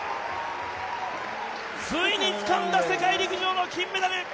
ついにつかんだ世界陸上の金メダル！